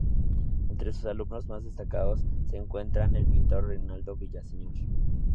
Entre sus alumnos más destacados se encuentra el pintor Reinaldo Villaseñor.